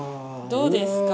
どうですか？